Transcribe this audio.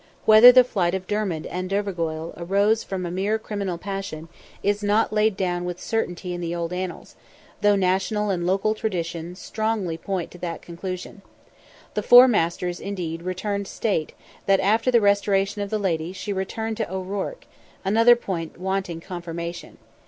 Whether the flight of Dermid and Dervorgoil arose from a mere criminal passion, is not laid down with certainty in the old Annals, though national and local tradition strongly point to that conclusion. The Four Masters indeed state that after the restoration of the lady she "returned to O'Ruarc," another point wanting confirmation.